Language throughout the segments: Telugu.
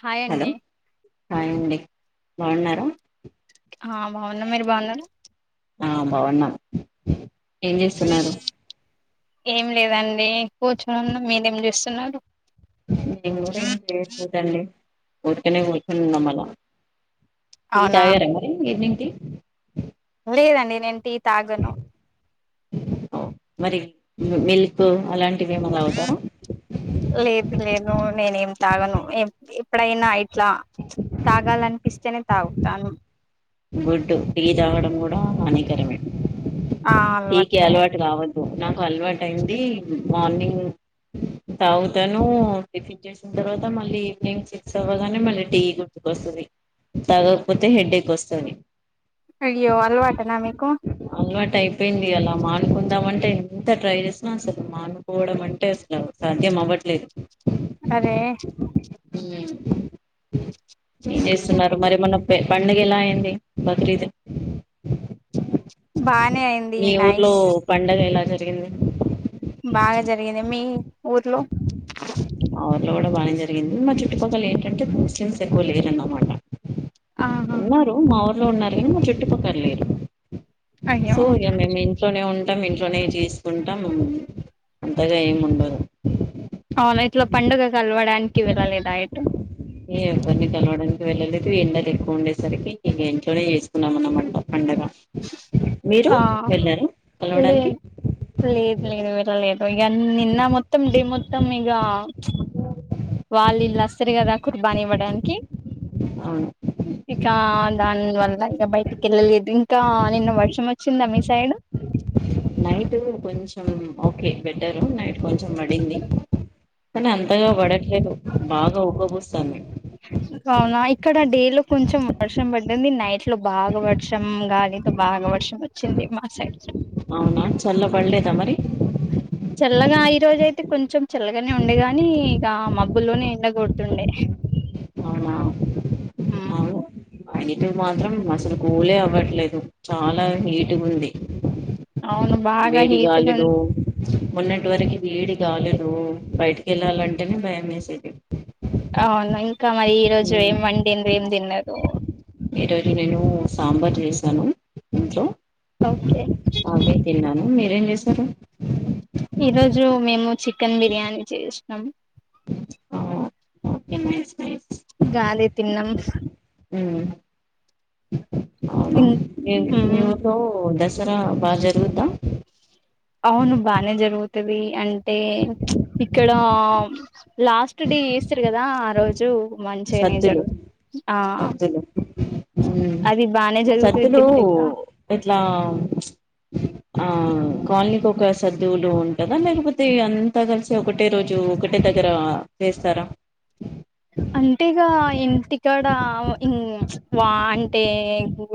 హాయ్ అండి హలోండి బాగున్నారా ఆ బాగుంద మీరు బాగున్న ఆ బవన్నా ఏం చేస్తున్నారు ఏం లేదండి అ ఎక్కువ చూడం మీరేం చూస్త చిన్న బర ఏం లేూట అల్లి ఒటనే వచ్చం ఉన్నా మళ అవునా శీతాయార మరి ఈవినింగ్ టీ లేదండి నేను టీ తాగను మరి మిల్క్ అలాంటి లేదు లేదు నేనేం తలాగను ఎప్పుడైనా ఇట్లా తగాాలని పిస్తటనే తగు తను గుడ్డు తిగి తాగడం కూడా అనేకరమే ఆ క అలవాట్లే అలవాటు రావద్ నాకు అలవాటుైంది మార్నింగ్ తాగుతాను టిఫిన్ చేసిన తర్వాత మళ్ళీ ఈవినింగ్ సిక్స్ అవ్వగానే మళ్ళీ టీ గుతుకు వస్తుంది తాగకపోతే హెడ్ ఎక్ వస్తుంది సర అయ్యో అలవాటనా మీకు అలవాటు అయిపోయింది అలా మానుకుందామ అంటేేను ఎంత ట్రై చేసిన అసలు మానుకోవడం అంటే అసలు సాధ్యం అవ్వట్లేదు అరే ఏ చేస్తున్నారు మరి మన పండుగలాయ బక్రీద బానే అయింది మీ ఊర్లో నైస్ పండగ ఎలా ంది బాగా జరిగింది మీ ఊర్లో మా ఊర్లో కూడా బాగానే జరిగింది మా చుట్టుపక్కల ఏంటంటే ముస్లిమ్స్ ఎక్కువ లేరన్నమాట ఆహా ఉన్నారు మాఊరు అ ఉన్నారు మా చుట్టు పక్కల లేరు అయ్యో సో మేమిక ఇంట్లోనే ఉం ఇంట్లోనే చేసుకుంటాం అంతగా ఏమి ఉండదు అవునా ఇట్లా పండుగ కలవడానికి వెళ్ళలేదా ఎటు ఈ ఎవరిని కలవడానికి వెళ్ళలేదు ఎండలు ఎక్కువ ఉండేసరికి ఇంట్లోనే చేసుకున్నాం అనమాట పండగ మీరు ఆ వెళ్ళారు కలవడానికి లేదు లేదు లేదు వెళ్ళ లేదు ఇ నిన్న మొత్తం మొత్తం డి మొత్తం ఇగ వాళ్ళు వీళ్ళు వస్తారు కదా కుర్బాని ఇవ్వడానికి అవును ఇకా దాని వల్ల ఇంకా బయటికి వెళ్ళలేదు ఇంకా నిన్న వర్షం వచ్చిందా మీ సైడ్ నైట్ కొంచం ఓకే బెటర్ నైట్ కొంచెం కొంచెం పడింది కానీ అంతగా పడట్లేదు బాగా ఉబ్బ పోస్తుంది అవునా ఇక్కడ డే లో కొంచెం వర్షం పడింది నైట్ లో బాగా వర్షం గాలితో బాగా వర్షం వచ్చింది మా సైడ్ అవునా చల్ల పళ్లేేదా మరి చల్లగా ఈ రోజ అయితే కొంచెం చల్లగానే ఉండేగాని ఇక మబ్బుల్లోనే ఎండకోడుతుండే అన్నిటికి మాత్రం అసలు కూలే అవ్వట్లేదు చాలా హీట్ ఉంది అవును బాగా వేడి హీట్గా గాలులు మోన్నటి వరకు వేడి గాలులు బయటికి వెళ్ళాలంటేనే భయం వేసేది అవును ఇంకా మరి రోజు ఎమ్ వండిడ్రు ఏం తిన్నారు త ఈ రోజు నేను సాంబార్ చేసాను ఇంట్లో ఓకే ఏం చేస్తారు ఈ రోజు మేము చికెన్ బిర్యానీ చేసినం ఓకే నైస్ నైస్ గాలే తిన్నాం హమ్ అవునా మీ ఊళ్ళో దసరా దసర బాగా జరుగుతా అవును బానే జరుగుతుది అంటే ఇక్కడ లాస్ట్ డే కదా ఆ రోజు మంచిగానే సద్దులు జరుగు ఆ సద్దులు ఉమ్ అది బానే ఆ జరుగుతది సద్దులు పెద్దగా. ఇట్లా ఆ కాలనీకి ఒక సదువులు ఉంటదా, లేకపోతే అంతా కలిసి ఒకటే రోజు ఒకటే దగ్గర చేస్తారా? అంటేగా ఇంటికాడ ఇంగ్మ్ ప్చ్ వా అంటే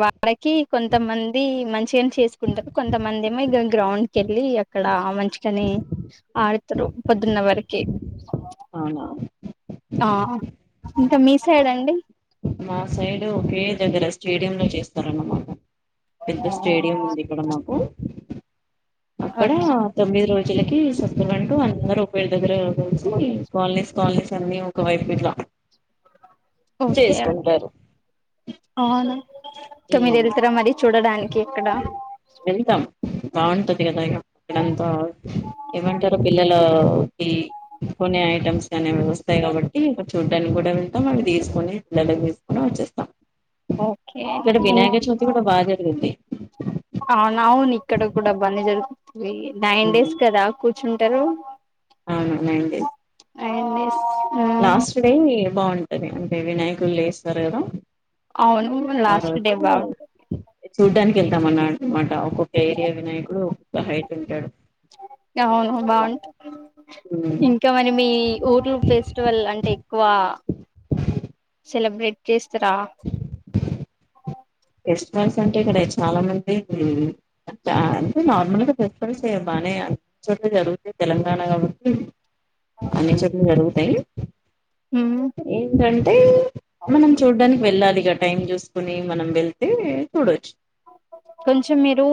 వాడకి కొంతమంది మంచిగనే చేసుకుంటారు. కొంతమంది ఏమో ఇగ గ్రౌండ్ కెళ్ళీ, అక్కడ మంచిగనే ఆడుతారు పొద్దున్న వరకి. అవునా ఆ ఇంక మీ సైడ్ అండి? మా సైడ్ ఒకే దగ్గర స్టేడియం లో చేస్తరన్నమాట. పెద్ద స్టేడియం ఉంది ఇక్కడ మాకు. అక్కడా ఓకే తొమ్మిది రోజు వీళ్ళకి సొంత గంటూ అందరు ఉపయో దగ్గరగా కల్సి కాల్నీస్ కాల్నీసన్నీ ఒక వైపు ఇట్ల ఓకే ఆ తో మీరు ఉమ్ వెళ్తరా మరి చూడడానికి అక్కడ వెళ్తాం బాగుంటది కదా ఇగ అక్కడంతా ఏమంటారు పిల్లలు ఈ కొనే ఐటమ్స్ అనేవి వస్తాయి కాబట్టి చూడ్డానికి కూడా వెళ్తాం అవి తీసుకొని [unintelligible] తీసుకుని వచ్చేస్తం ఓకే ఇక్కడ అవును వినాయక చవితి కూడా బా జ బి ఆల్ అవును ఇక్కడ కూడబ్బ అన్ని జరుగు తై నైన్ డేస్ కదా కూ చుంటరూ అవునండి హాయ్ అండి లాస్ట్ డే బాగుం టది అంటే వినాయకులు ఏస్తరు కదా. అవును లాస్ట్ డే బాగు [inaudible] వెళ్తాం అన్న మాట ఒక్కొక్క ఏరియా వినాయకుడు ఒక్కొక్క హైట్ ఉంటాడు. అవును అలా బాగుంట ఉమ్. ఇంకా మరి మీ ఊర్లు ఫెస్ట్ వల్ అంటే ఎక్కువా సెలబ్రేట్ చేస్తరా? ఫెస్టివల్స్ అంటే ఇక్కడ చాలా మంది ఆ అంటే నార్మల్ గా ఫెస్టివల్స్ బానే అన్ని చోట్ల జరుగుతది తెలంగాణ కాబట్టి, అన్ని చోట్ల జరుగు తై ఏంటం [unintelligible] మనం చూడ్డానికి వెళ్ళా ఈగ టైం చూసుకుని మనం వెల్ ఏం ఏ తోడచ్చ కొంచెం మీరు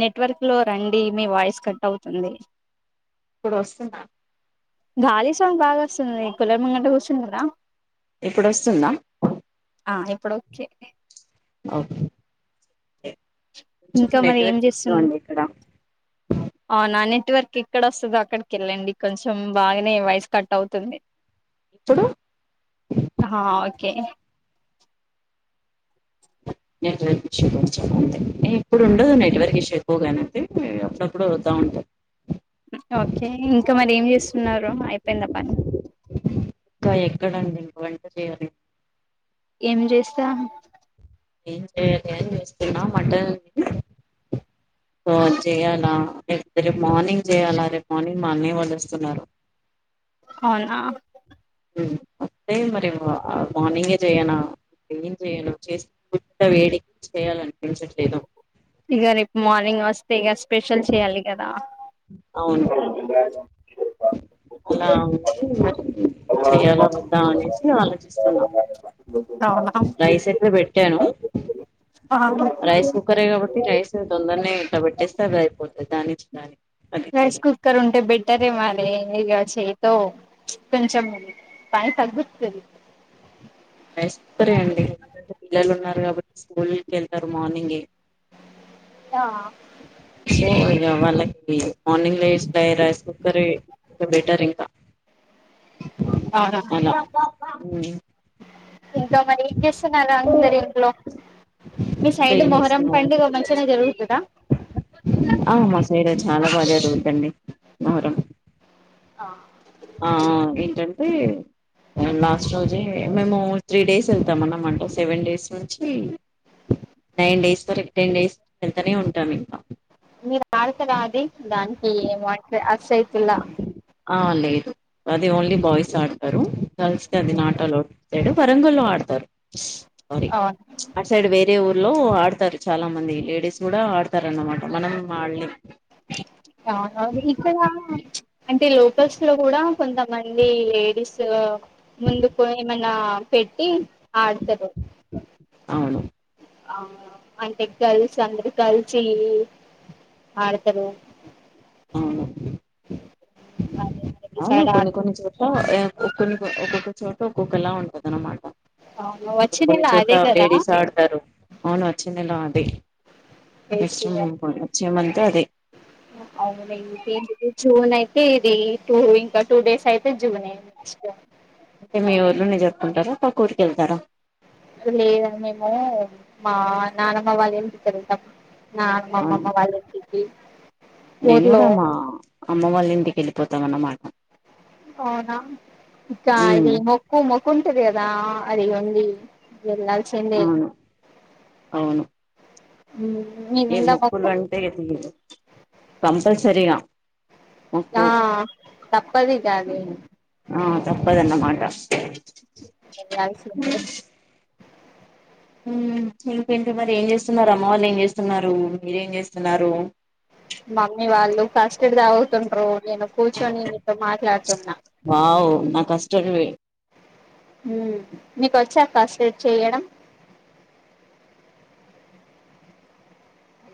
నెట్వర్క్ లో రండి మీ వాయిస్ కట్ అవుతుంది ఇప్పుడు వస్తున్నా గాలి సాౌంగ్ బాగా వస్తుంది కులర్మంగంట కూర్చుని కదా ఇప్పుడు వస్తుందా ఎప్పుడకే ఓ ఇంకా మరి ఏం ఇష్యూ చేస్తుంది అండి ఇక్కడ అ నాని ఇటి వరక్ ఇక్కడ వస్తుందో అక్కడికి వెళ్ళండి కొంచెం బాగానే వయస్ కట్ అవుతుంది ఇప్పుడు హా ఓకే నెట్వర్క్ ఇష్యూ కొ ఉంతా ఎప్పుడు ఉండదు నెట్వర్క్ ఇష్యూ ఎక్కువగానియితే అప్పుడప్పుడు వతా ఉంటాయి ఓకే ఇంకా మరి ఏం చేస్తున్నారు అయిపోయిందా పని ఇంకా ఎక్కడంండి ఇంక వెంట చేయర ఏమి చేస్తా ఏం చేయాల ఏం చేస్తుకున్నా మటన్ సోది చేయ్యాలా లే రేపు మార్నింగ్ చేయాలా రేపు మార్నింగ్ మని వలుస్తున్నారు అవునా అస్తే మరి మార్నింగే చేయనా ఏం చేయను చేసి వేడి చేయాలండి ఇక రేపు మార్నింగ్ వస్తే ఇే స్పెషల్ చేయాలి కదా అవును అలా ఉంది మరి చెయాలా వద్దాం అనేసి ఆలోచిస్తున్నాం రైస్ అయితే పెట్టాను అవునా రైస్ కుక్కరే కాబట్టి రైస్ తొందరనే ఆ ఇట్లా పెట్టేస్తే అది అయిపోతుంది రైస్ కుక్కర్ ఉంటే బెటరే మరి ఇగ చేయితో కొంచెం పని తగ్గుతది వస్తరే అండి ఎంటే పిల్లలు ఉన్నారు స్కూల్కి వెళ్తారు మార్నింగ్ ఆ సో ఇగ వాళ్ళకి మార్నింగ్ లో రైస్ కుక్కర్ ఇ బెటర్ ఇంకా అవునా అలా మ్ ఇంకా మరి ఏం చేస్తున్నారుా అందరు ఇంట్లో మీ ఇంకా సైడ్ ఏం మొహరం చేస్తున్నారండి పండుగ పిల్లలు మంచిగానే జరుగుతుందా ఆ మా సైడ్ చాలా బాగా జరుగుద్దండి మొహరం ఆ ఆ ఏంటంటే లాస్ట్ రోజే మేము త్రీ డేస్ వెళ్తాం అన్న అంట సెవెన్ డేస్ నుంచి నైన్ డేస్ వరకు టెన్ డేస్ వెళ్తనే ఉంటాం ఇంకా మీరు ఆడతారా అది ఇల్లా ఆ లేదు. అది ఓన్లీ బాయ్స్ ఆడతరు. కలిస్తే అది నాటలౌడ్ సైడు వరంగల్లో ఆడతరు. అరీ అవును అట్ సైడ్ వేరే ఊర్ లో ఆడతారు. చాలా మంది లేడీస్ కూడా ఆడతారున్నమాట. మనము వాల్ని ప్చ్ అంటే లోప్ గర్ల్స్ లో కూడా కొంతమంది లేడీస్ గా ముందుకు ఏమన్నామ్ పెట్టి అడ్తారు. అవును ఆ అంటే కలిసి అందరు కలిసి ఆడతరు. అవును అ అవును కొన్ని, కొన్ని చోట్ల ఎమ్ ఒక్కొన్ని, కొ ఒక్కొక్క, చోట ఒక్కొక్కలా ఉంటది. అనమాట్ అవును ఇప్పుడు వచ్చే కొన్ని నెల చోట్ల అదే కదా లేడీస్ ఆడతారు. అవును వచ్చింది. ఎలా అంటే నేస్ట్ ఫెస్టివల్ మంత్, వచ్చేమంటే అది తే ఇది టూ, ఇంకా టూ డేస్ అయితే జూలోనేల నెక్స్ట్ అంటే మీ ఊర్లోనే జరుపుకుంటారా పాక్కురికి వెళ్తారా. లేదన్ మేము మా నానమ్మ వాళ్ళేంటిక వెళ్తాం. నానమ్మ అవును అమ్మమ్మ వాళ్ళ ఇంటికి నేను ఊర్లో కూడా మా అమ్మ వాళ్ళ ఇంటికెళ్ళి పోతమన్న మా అవునా ఇకాల్ ఉమ్ ది మొక్కు, మొక్ కుంటది కదా అదిగండి. వెళ్లాల్సిందే. అవును ఎమో మొక్కులు అంటే ఇగ తీయదు కంపల్సరిగా యా మొక్కు తప్పది. ఇకాది తప్పదన్న మాట టెన్, లెవెన్, సిల్వర్, ప్లేట్ హ్మ్ ఇంకేంటి మరి ఏం చేస్తున్నారు. అమ్మ వాళ్ళు ఏం చేస్తున్నారు. మీరేం చేస్తున్నారు. మమ్మీ వాళ్ళు కస్టర్డ్ తాగుతుండ్రు నేను కూర్చొని మీతో మాట్లాడుతున్నా వావ్ నా కష్టాలు హ్మ్ మీకు వచ్చా కస్టర్డ్ చేయ్యడం.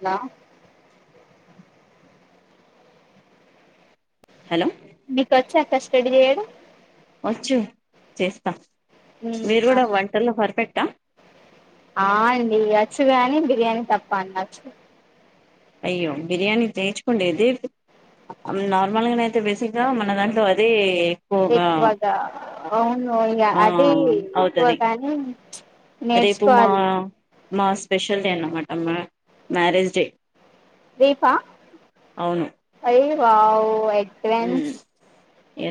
లా హలో మీక్ వచ్చా కస్టడీ చేయ్యడం. వచ్చు చేస్తా. మ్మ్ మీరు కూడా వంటల్లో పర్ఫెట్ ట ఆ అండి వచ్చుగాని బిర్యానీ తప్ప అన్నీ వచ్చు అయ్యో బిర్యానీ నేర్చుకోండేది నార్మల్గా అయితే బేసిక్గా మన దాంట్లో అదే ఎక్కువగా అవును ఆ అది అవుతది ఎక్కువగాని రేపు మా మా స్పెషల్ డే అన్నమాట అమ్ మ్యారేజ్ డే రేపా అవును అయ్యో వావ్ ఉమ్ ఫ్రెండ్స్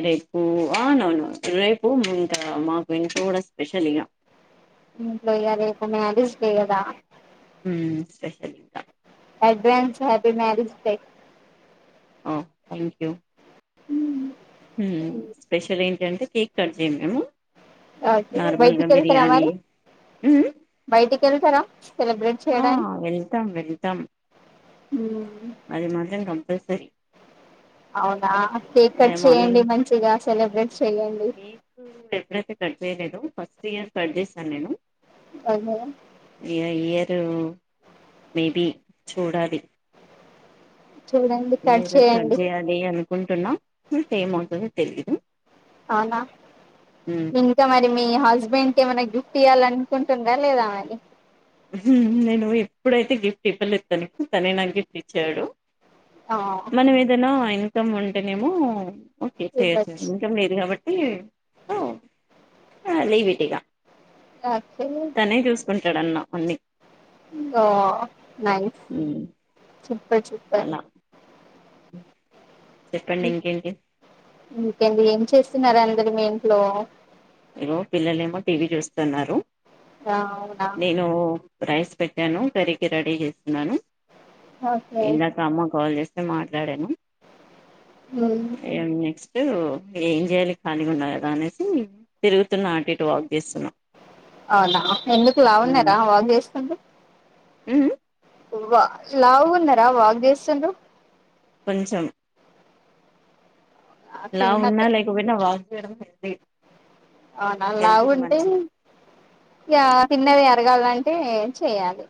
రేపు ఆ అవునవును రేపు ఇంకా మాకు ఎంతో కూడా స్పెషల్ ఇగా ఇంట్లో ఇగా రేపు మ్యారేజ్ డే కదా. ఉమ్ స్పెషల్ ఇంకా అడ్వాన్స్ హ్యాపీ మ్యారేజ్ డే ఆ థ్యాంక్ యూ ఉమ్ స్పెషలే అంటే కేక్ కట్ చేయం ఓకే నార్మల్గా బయటికి వెళ్తారా బిర్యానీ మరి ఉమ్ బయటికి వెళ్తారా సెలబ్రేట్ ఆ చేయడానికి వెళ్తాం వెళ్తాం ఉమ్ అది మంచం అ సరి సరి అవునా కేక్ కట్ చేయండి మంచిగా సెలబ్రేట్ చెయ్యండి కేక్ ఎప్పుడైతే కట్ చేయలేదు ఫస్ట్ ఇయర్ కట్ చేశాను నేను హాయ్ మేడం ఇగ ఈ ఇయరు మేబి చూడాలి చూడండి కట్ చేయండి కుంటున్నా ఇంక ఏమీ తెలిదు అవునా ఇంక మరి మీ హస్బెండ్ కి ఏమైనా గిఫ్ట్ ఇయ్యల అనుకుంటున్నారా లేదా మారి నేను ఎప్పుడైతే గిఫ్ట్ ఇవ్వలేదు తనకి తనే నాకు గిఫ్ట్ ఇచ్చాడు ఆ మనం ఏదైనా ఆయన్ మొత్తం ఉంటేనేమో ఓకే డేర్ చేయొచ్చు ఇవ్వచ్చు ఇంకా మీరు కాబట్టి మ్ ఆ లేైబెటిగ ఆక్చువల్లీ డన్నా అన్నీ ఓ నైస్ ఉమ్ చెప్ ఇప్పుడే చెప్ప అలా చెప్పండి ఇంకేంటి ఏంది ఏం చేస్తున్నారు అందరు మీ ఇంట్లో ఇగొ పిల్లలేమో టీవీ చూస్తున్నారు. ఆ ఔనా నేను రైస్ పెట్టాను కర్రీ కి రెడీ చేస్ నను ఓకే ఇందాక అమ్మ కాల్ చేస్ నేన్ మా టడాను మ్మ్. ఏం చేస్ పిలో ఏం చేయ్యాలి ఖాళీగ ఉన్నా కదా అనేసి తిరుగుతున్న ఆంటి ఇటు వాక్ చేస్తున్నా అవునా ఎందుకు లావున్నరా ఉమ్ వాక్ చేస్తుంది వ్వ లావున్నరా వాక్ చేస్తుంరు కొంచెం లావు ఉన్నా లేక పోయినా వాక్ చేయడం అ హెల్త్ లావు కి ఉంటే మంచిది అ తిన్నవి అరగాలంటే ఏం చెయాలి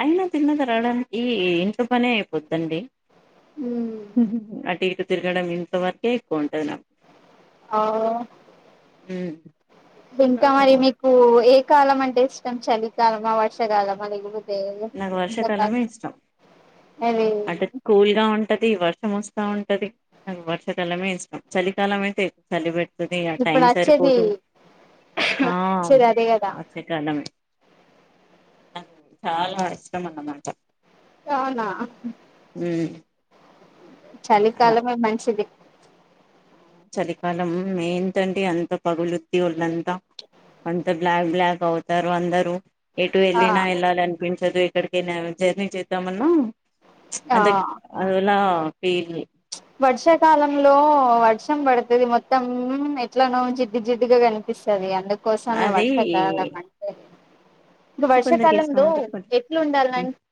అయినా తిన్నది అరగడానికి ఈ ఇంట్లో పనే అపోద్దండి ఉమ్ అంటే తిరగడం ఇంత వరకె ఎక్కువ ఉంటది నా ఆ ఉ ఇంకా మరి మీకు కాలం అంటే ఇష్టం చలికాలమా వర్షకాలమా లేకపోతే నాకు అంతేకదా వర్షాకాలమే ఇష్టం ఇగ అటు కూల్ గ ఉం ఉంటది వర్షం వస్తా ఉంటది నాకు వర్షకాలమే ఇష్టం చలికాలం అయితే చలి పెడతది ఆ టైం ఇప్పుడు వచ్చేది సరిపోదు ఆ వచ్చేది అదే కదా వచ్చే కాలమే చాలా ఇష్టం అన్నమాట అవునా ఉ చలి కాలమే మనషిదిి చలికాలం మంతంటే అంత పగులుద్ద వాళ్ళంతా అంత బ్లాక్ బ్లాక్ అవుతారు అందరుూ ఎటు ఆ వెళ్ళినా వెళ్ళాలి అనిపించ చదువు ఎక్కడికైనా జర్నీ చేద్దామన్నా ఆ అంత అలా పేలి వర్షాకాలంలో వర్షం పడుతుది మొత్తం ఎట్లానో జిడ్డు జిడ్దుగా కనిపిస్తుది అందుక కోసమే అది వస త మ ఇంక అది కొందరికి ఇష్టం వర్షాకాలంలో ఉంటది ఎట్లు కొందరికి ఉండాల